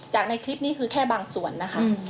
ในคลิปนี้คือแค่บางส่วนนะคะ